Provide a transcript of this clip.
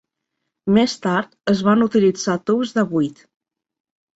Més tard, es van utilitzar tubs de buit.